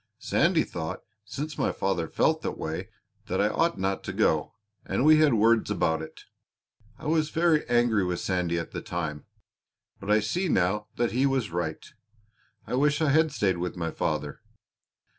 Sandy thought, since my father felt that way, that I ought not to go, and we had words about it. I was very angry with Sandy at the time, but I see now that he was right. I wish I had stayed with my father.